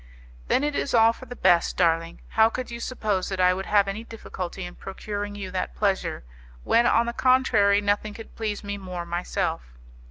"Then it is all for the best, darling. How could you suppose that I would have any difficulty in procuring you that pleasure, when on the contrary, nothing could please me more myself?